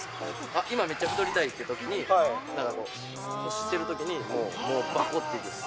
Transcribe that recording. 今、めっちゃ太りたいってときに、なんかこう、欲してるときに、もう、ばこっていくんです。